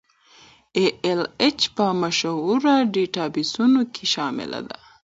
ای ایل ایچ په مشهورو ډیټابیسونو کې شامل دی.